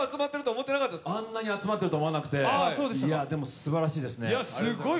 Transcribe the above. あんなに人が集まってると思わなくて、すばらしいですね。